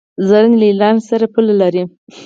زرنج له ایران سره پوله لري.